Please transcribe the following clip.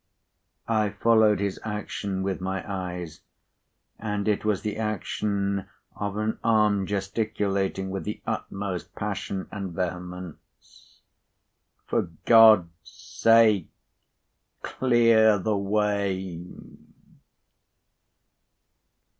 I followed his action with my eyes, and it was the action of an arm gesticulating with the utmost passion and vehemence: "For God's sake clear the way!"